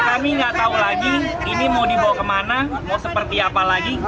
kami nggak tahu lagi ini mau dibawa kemana mau seperti apa lagi